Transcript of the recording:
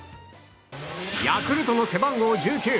ヤクルトの背番号１９